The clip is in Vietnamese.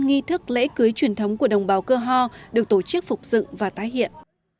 nghi thức lễ cưới truyền thống của đồng bào cơ ho được tổ chức phục dựng và tái hiện